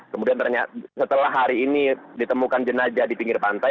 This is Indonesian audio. kemudian ternyata setelah hari ini ditemukan jenajah di pinggir pantai